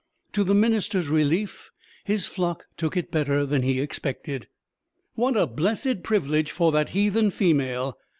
To the minister's relief, his flock took it better than he expected. "What a blessed privilege for that heathen female!"